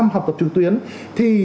một trăm linh học tập trực tuyến thì